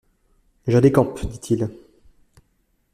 Je décampe, dit-il.